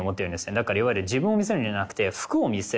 だからいわゆる自分を見せるんじゃなくて服を見せる。